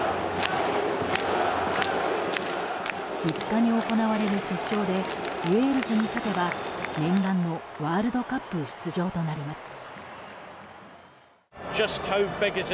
５日に行われる決勝でウェールズに勝てば念願のワールドカップ出場となります。